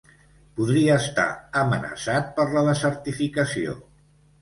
Podria estar amenaçat per la desertificació.